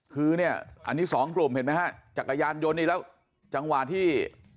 คือเนี่ยอันนี้สองกลุ่มเห็นไหมฮะจักรยานยนต์นี่แล้วจังหวะที่